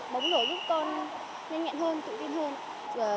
bóng đồi giúp con nhanh nhẹn hơn tự tin hơn